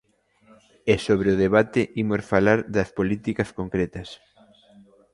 E sobre o debate, imos falar das políticas concretas.